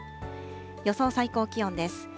予想最高気温です。